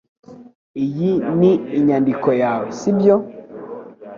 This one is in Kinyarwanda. Iyi ni inyandiko yawe sibyo